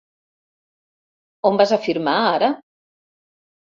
On vas a firmar, ara?